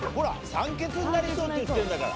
「酸欠になりそう」って言ってるんだから。